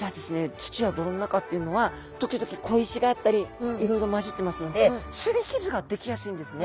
土や泥の中っていうのは時々小石があったりいろいろまじってますのですり傷ができやすいんですね。